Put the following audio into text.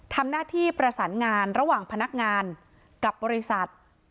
ทำหน้าที่ประสานงานระหว่างพนักงานกับบริษัท